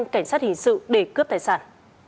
cảnh sát hình sự để cướp tài sản